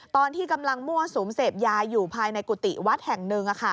ตอนที่กำลังมั่วสุมเสพยาอยู่ภายในกุฏิวัดแห่งหนึ่ง